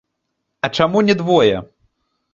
А чаму не двое?